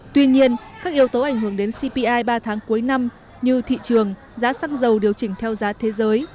tuy nhiên các yếu tố ảnh hưởng đến cpi ba tháng cuối năm như thị trường giá xăng dầu điều chỉnh theo giá thế giới